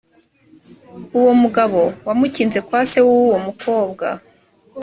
uwo mugabo wamukinze kwase w’ uwo mukobwa.